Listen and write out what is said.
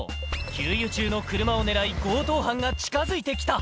給油中の車を狙い、強盗犯が近づいてきた。